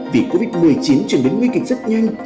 vì covid một mươi chín chuyển biến nguy kịch rất nhanh